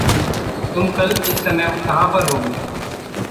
तुम कल इस समय कहाँ पर होगे?